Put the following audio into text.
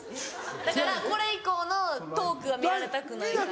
だからこれ以降のトークは見られたくないから。